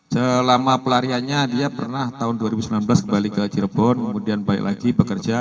selama pelariannya dia pernah tahun dua ribu sembilan belas kembali ke cirebon kemudian balik lagi bekerja